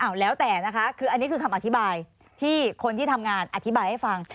แล้วแต่นะคะคืออันนี้คือคำอธิบายที่คนที่ทำงานอธิบายให้ฟัง